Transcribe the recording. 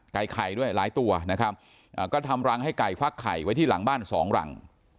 ไก่ไข่ด้วยหลายตัวนะครับก็ทำรังให้ไก่ฟักไข่ไว้ที่หลังบ้านสองรัง